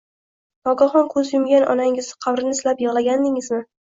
Nogahon ko’z yumgan onangizning qabrini silab yig’laganingizmi?